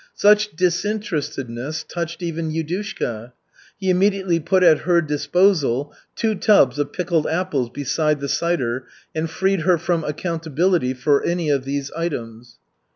Such disinterestedness touched even Yudushka. He immediately put at her disposal two tubs of pickled apples beside the cider, and freed her from accountability for any of these items.